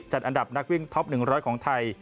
อันดับนักวิ่งท็อป๑๐๐ของไทย